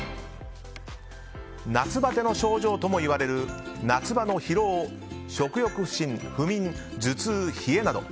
夏バテの症状ともいわれる夏場の疲労食欲不振、不眠、頭痛、冷えなど。